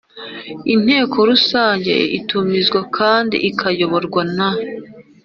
Inteko rusange itumizwa kandi ikayoborwa na